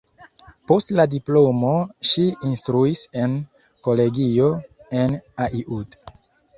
Post la diplomo ŝi instruis en kolegio en Aiud.